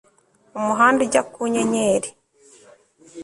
umuhanda ujya ku nyenyeri